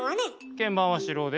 鍵盤は白で。